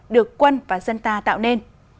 được quân và dân ta tạo nên